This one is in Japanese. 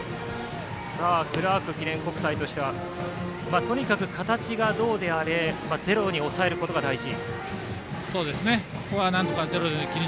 クラーク記念国際としてはとにかく形がどうであれゼロに抑えることが大事。